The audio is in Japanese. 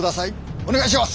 お願いします！